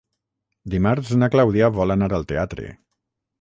Dimarts na Clàudia vol anar al teatre.